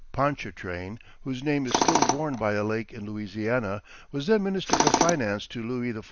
Pontchartrain, whose name is still borne by a lake in Louisiana, was then minister of finance to Louis XIV.